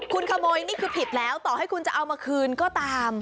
คุณขโมยนี่คือผิดแล้วต่อให้คุณจะเอามาคืนก็ตาม